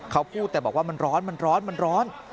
เขาพูดแต่บอกว่ามันร้อน